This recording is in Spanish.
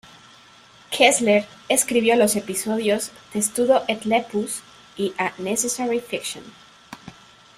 Kessler escribió los episodios "Testudo et Lepus" y "A Necessary Fiction".